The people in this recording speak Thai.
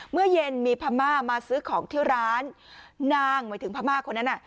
เมื่อเย็นมีพม่ามาซื้อของที่ร้านนางหมายถึงพม่าคนนั้นน่ะ